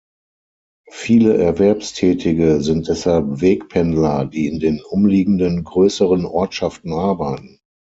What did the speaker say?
Viele Erwerbstätige sind deshalb Wegpendler, die in den umliegenden grösseren Ortschaften arbeiten.